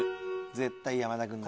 絶対山田君なら。